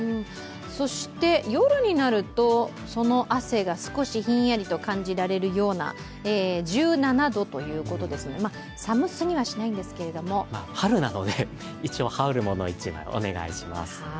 そして、夜になると、その汗が少しひんやりと感じられるような１７度ということですね、寒すぎはしないんですけれども春なので、一応、羽織るものを１枚お願いします。